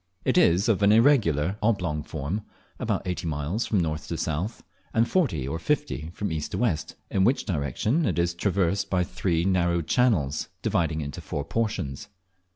It is of an irregular oblong form, about eighty miles from north to south, and forty or fifty from east to west, in which direction it is traversed by three narrow channels, dividing it into four portions.